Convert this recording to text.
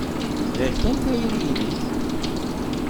Bɣiɣ kan tayri-nnek.